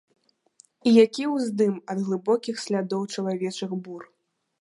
І які ўздым ад глыбокіх слядоў чалавечых бур!